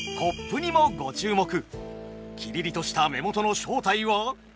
キリリとした目元の正体は。